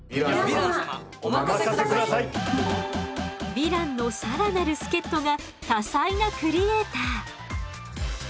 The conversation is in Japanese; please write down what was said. ヴィランの更なる助っとが多才なクリエーター。